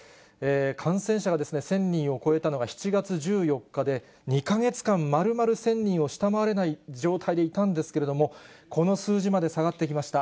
感染者が１０００人を超えたのが７月１４日で、２か月間、まるまる１０００人を下回れない状態でいたんですけれども、この数字まで下がってきました。